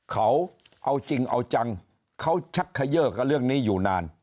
เขาเอาจริงเอาจังเขาชักเขย่อกับเรื่องนี้อยู่นาน